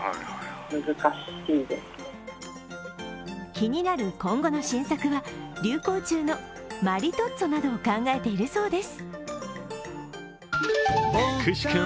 気になる今後の新作は、流行中のマリトッツォなどを考えているそうです。